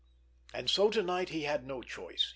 And so to night he had no choice.